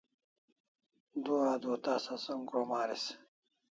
Du adua tasa som krom aris